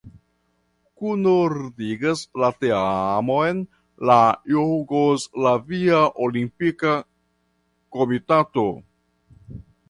Kunordigas la teamon la Jugoslavia Olimpika Komitato.